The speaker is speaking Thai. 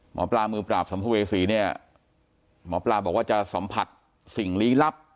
หมอปลามือปราบสัมภเวษีเนี่ยหมอปลาบอกว่าจะสัมผัสสิ่งลี้ลับ